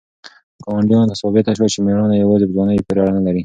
ګاونډیانو ته ثابته شوه چې مېړانه یوازې په ځوانۍ پورې اړه نه لري.